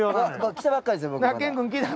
来たばっかりですよ